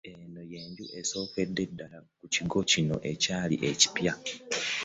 Eno y'enju esookedde ddala ku kigo kino ekikyali ekipya